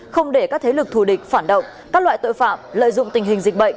không để các thế lực thù địch phản động các loại tội phạm lợi dụng tình hình dịch bệnh